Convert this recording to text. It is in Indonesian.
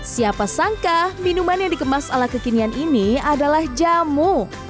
siapa sangka minuman yang dikemas ala kekinian ini adalah jamu